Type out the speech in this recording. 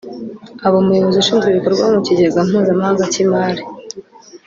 aba umuyobozi ushinzwe ibikorwa mu kigega mpuzamahanga cy’imari